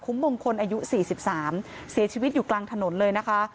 มงคลอายุ๔๓เสียชีวิตอยู่กลางถนนเลยนะคะ